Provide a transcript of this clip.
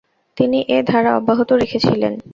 তিনি এ ধারা অব্যাহত রেখেছিলেন।